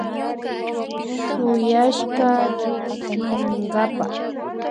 Shuyashka riksinkapa